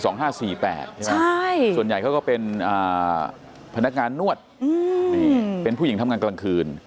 ส่วนใหญ่เขาก็เป็นพนักงานนวดนี่เป็นผู้หญิงทำงานกลางคืน